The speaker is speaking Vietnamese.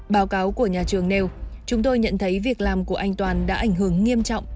báo cáo của nhà trường nêu chúng tôi nhận thấy việc làm của anh toàn đã ảnh hưởng nghiêm trọng